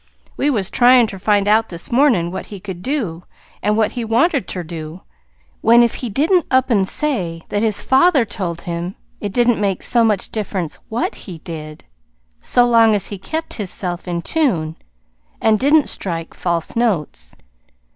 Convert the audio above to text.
We was tryin' ter find out this mornin' what he could do, an' what he wanted ter do, when if he didn't up an' say that his father told him it didn't make so much diff'rence WHAT he did so long as he kept hisself in tune an' didn't strike false notes.